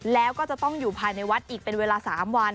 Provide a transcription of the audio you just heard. แล้วก็จะต้องอยู่ภายในวัดอีกเป็นเวลา๓วัน